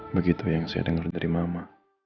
begitu yang saya dengar dari mama